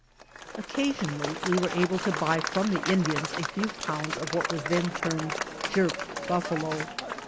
Occasionally we were able to buy from the Indians a few pounds of what was then termed "jerked buffalo."